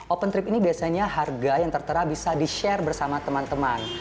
open trip ini biasanya harga yang tertera bisa di share bersama teman teman